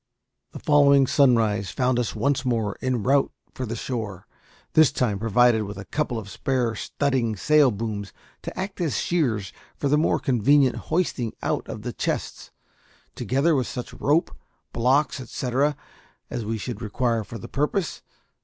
The following sunrise found us once more en route for the shore, this time provided with a couple of spare studding sail booms to act as sheers for the more convenient hoisting out of the chests, together with such rope, blocks, etcetera, as we should require for the purpose.